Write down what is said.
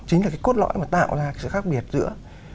chính là cái cốt lõi mà tạo ra sự khác biệt giữa